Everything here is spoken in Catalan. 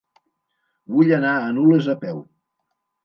Vull anar a Nules a peu.